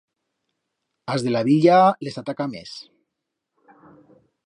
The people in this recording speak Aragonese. A's de la Villa les ataca mes.